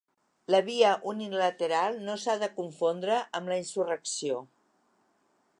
La via unilateral no s’ha de confondre amb la insurrecció.